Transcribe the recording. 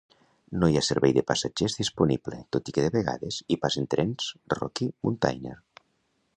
No hi ha servei de passatgers disponible, tot i que de vegades hi passen trens Rocky Mountaineer.